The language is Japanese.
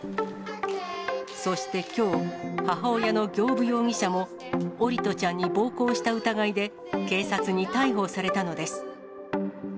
そしてきょう、母親の行歩容疑者も、桜利斗ちゃんに暴行した疑いで警察に逮捕されたのです。